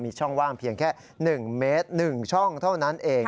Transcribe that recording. มีช่องว่างเพียงแค่๑เมตร๑ช่องเท่านั้นเอง